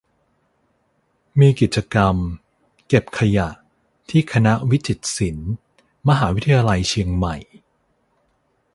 "มีกิจกรรม "เก็บขยะ" ที่คณะวิจิตรศิลป์ มหาวิทยาลัยเชียงใหม่"